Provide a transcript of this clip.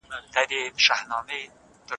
پلار هڅه کوي چې کورنۍ تل روغتیا ولري.